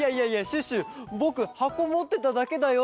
シュッシュぼくはこもってただけだよ。